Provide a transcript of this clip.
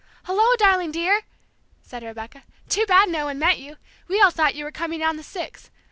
"Hello, darling dear!" said Rebecca. "Too bad no one met you! We all thought you were coming on the six.